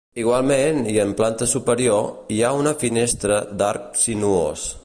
Igualment, i en planta superior, hi ha una finestra d'arc sinuós.